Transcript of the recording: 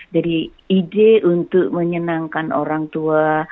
jadi ide untuk menyenangkan orang tua